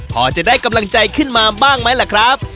พอจะได้กำลังใจขึ้นมาบ้างไหมล่ะครับ